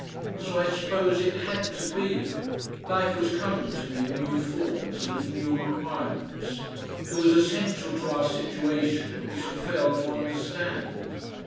So I suppose it had to be; life was coming to me in new forms and with new requirements. It was essential to our situation that we should fail to understand.